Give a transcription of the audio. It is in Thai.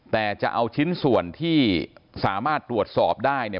แต่จะเอาชิ้นส่วนที่สามารถตรวจสอบได้